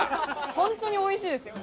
本当においしいですよ。